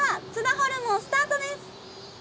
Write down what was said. ホルモンスタートです。